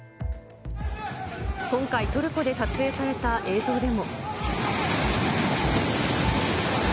今回、トルコで撮影された映像でも。